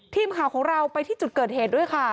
ทีมข่าวของเราไปที่จุดเกิดเหตุด้วยค่ะ